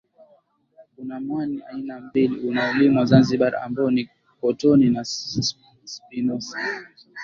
Kuna mwani aina mbili unaolimwa Zanzibar ambao ni Kotonii na spinosam